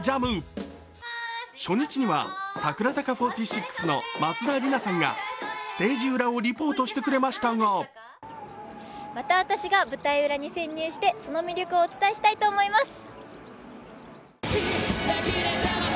初日には櫻坂４６の松田里奈さんがステージ裏をリポートしてくれましたがまた私が舞台裏に潜入してその魅力をお伝えしたいと思います。